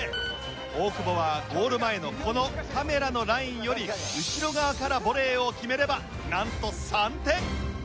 大久保はゴール前のこのカメラのラインより後ろ側からボレーを決めればなんと３点。